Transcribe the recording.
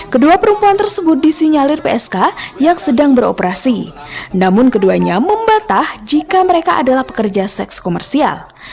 kedua perempuan tersebut disinyalir psk yang sedang beroperasi namun keduanya membatah jika mereka adalah pekerja seks komersial